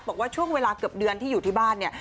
บอกว่าช่วงเวลาเกือบเดือนที่อยู่ที่บ้านเนี่ย